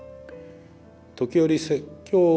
時折説教。